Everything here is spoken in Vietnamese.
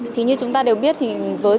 thì như chúng ta đều biết thì với